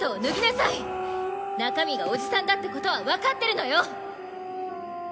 中身がおじさんだってことはわかってるのよ！